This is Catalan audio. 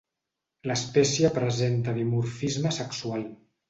L'espècie presenta dimorfisme sexual.